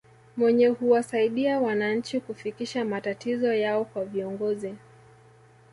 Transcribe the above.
mwenge huwasaidia wananchi kufikisha matatizo yao kwa viongozi